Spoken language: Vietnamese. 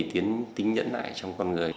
tính nhẫn lại trong con người